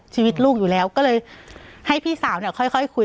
ชีวิตลูกอยู่แล้วก็เลยให้พี่สาวเนี่ยค่อยคุย